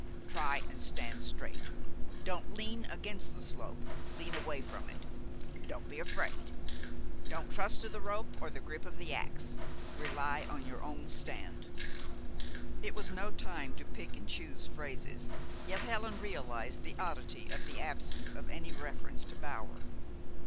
Try and stand straight. Don't lean against the slope. Lean away from it. Don't be afraid. Don't trust to the rope or the grip of the ax. Rely on your own stand." It was no time to pick and choose phrases, yet Helen realized the oddity of the absence of any reference to Bower.